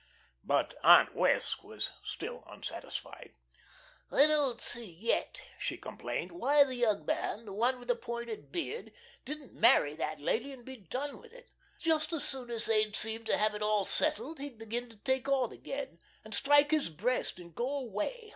But Aunt Wess' was still unsatisfied. "I don't see yet," she complained, "why the young man, the one with the pointed beard, didn't marry that lady and be done with it. Just as soon as they'd seem to have it all settled, he'd begin to take on again, and strike his breast and go away.